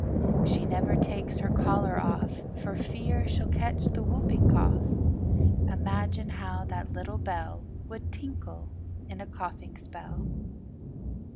She never takes her collar off For fear she'll catch the whooping cough. Imagine how that little bell Would tinkle in a coughing spell.